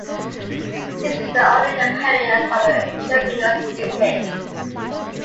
This is the only appearance of Cherubino's music.